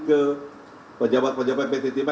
ke pejabat pejabat pt tipe